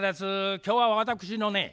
今日は私のね